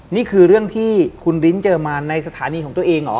นี่คือเรื่องที่คุณลิ้นเจอมาในสถานีของตัวเองเหรอ